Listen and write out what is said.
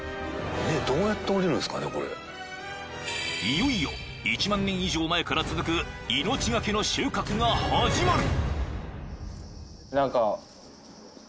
［いよいよ１万年以上前から続く命懸けの収穫が始まる］